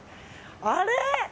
あれ？